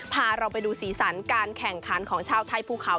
พาเราไปดูสีสันการแข่งขันของชาวไทยภูเขา